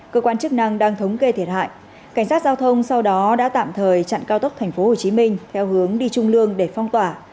cơ quan chức năng đang thống kê thiệt hại cảnh sát giao thông sau đó đã tạm thời chặn cao tốc tp hcm theo hướng đi trung lương để phong tỏa